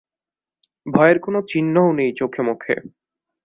ভয়ের কোনো চিহ্নও নেই চোখে-মুখে।